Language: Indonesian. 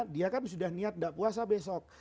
dia kan sudah niat tidak puasa besok